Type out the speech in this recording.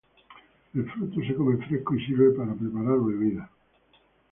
El fruto se come fresco y sirve para preparar bebidas.